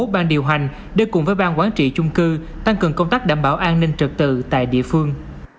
ban điều hành đưa cùng với ban quán trị chung cư tăng cường công tác đảm bảo an ninh trật tự tại địa phương